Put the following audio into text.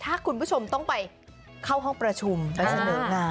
ถ้าคุณผู้ชมต้องไปเข้าห้องประชุมไปเสนองาน